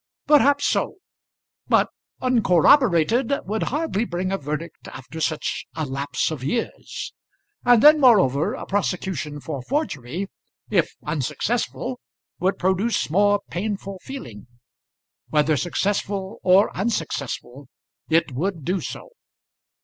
"Perhaps so, but uncorroborated would hardly bring a verdict after such a lapse of years. And then moreover a prosecution for forgery, if unsuccessful, would produce more painful feeling. Whether successful or unsuccessful it would do so.